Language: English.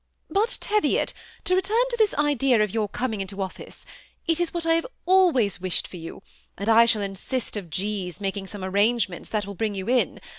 " But, Teviot, to return to this idea of your coming into office. It is what I have always wished for you ; and I shall insist on G.'s making some arrangement that will bring you in.